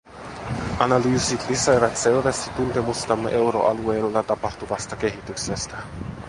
Analyysit lisäävät selvästi tuntemustamme euroalueella tapahtuvasta kehityksestä.